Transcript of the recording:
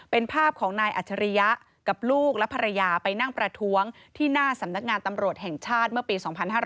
เป็นภาพของนายอัจฉริยะกับลูกและภรรยาไปนั่งประท้วงที่หน้าสำนักงานตำรวจแห่งชาติเมื่อปี๒๕๕๙